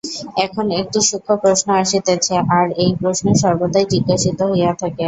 এখন একটি সূক্ষ্ম প্রশ্ন আসিতেছে, আর এই প্রশ্ন সর্বদাই জিজ্ঞাসিত হইয়া থাকে।